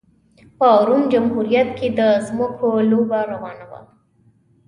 په روم جمهوریت کې د ځمکو لوبه روانه وه